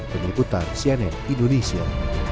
peniputan sianet indonesia